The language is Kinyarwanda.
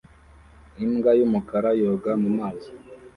Imbwa y'umukara yoga mu mazi